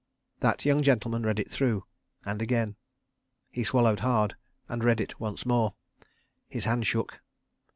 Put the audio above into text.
That young gentleman read it through, and again. He swallowed hard and read it once more. His hand shook.